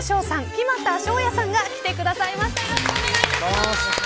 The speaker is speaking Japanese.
木全翔也さんが来てくださいました。